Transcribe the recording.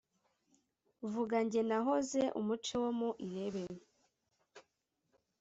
Vuga jye nahoze.-Umuce wo mu irebe.